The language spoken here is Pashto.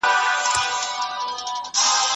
زه پرون نان وخوړل